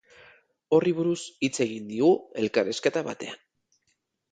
Horri buruz hitz egin digu elkarrizketa batean.